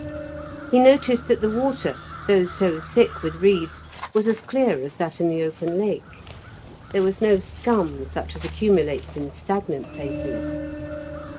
He noticed that the water, though so thick with reeds, was as clear as that in the open Lake; there was no scum such as accumulates in stagnant places.